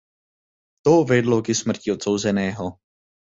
To vedlo ke smrti odsouzeného.